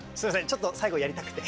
ちょっと最後やりたくて。